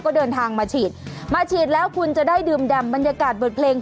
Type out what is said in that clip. ก็เดินทางมาฉีดมาฉีดแล้วคุณจะได้ดื่มดำบรรยากาศบทเพลง